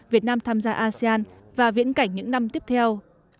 việt nam tham gia asean và viễn cảnh những năm tiếp theo